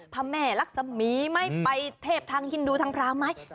พระแม่รักษมีไหมไปเทพทางฮินดูทางพราวไหม